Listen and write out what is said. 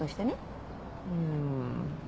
うん。